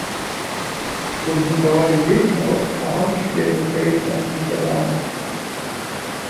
Узбунтавалі ўвесь народ, а панскі хлеб застаецца не сабраным.